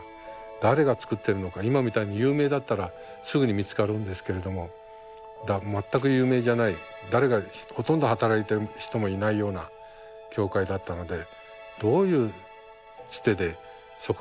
誰が作っているのか今みたいに有名だったらすぐに見つかるんですけれども全く有名じゃない誰がほとんど働いてる人もいないような教会だったのでどういうツテでそこへ仕事をすればいいのか。